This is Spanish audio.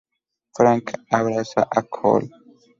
Frank abraza a Cool.